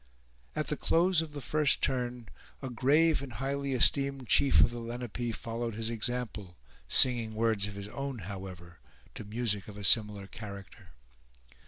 At the close of the first turn, a grave and highly esteemed chief of the Lenape followed his example, singing words of his own, however, to music of a similar character.